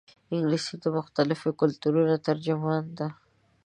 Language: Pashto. انګلیسي د مختلفو کلتورونو ترجمانه ده